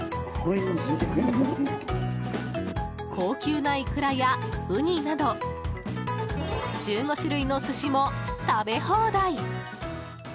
高級なイクラやウニなど１５種類の寿司も食べ放題！